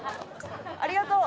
「ありがとう！」